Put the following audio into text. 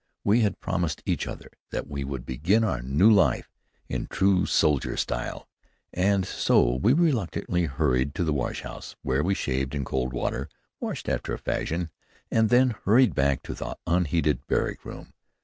We had promised each other that we would begin our new life in true soldier style, and so we reluctantly hurried to the wash house, where we shaved in cold water, washed after a fashion, and then hurried back to the unheated barrack room.